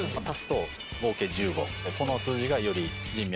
この数字がより。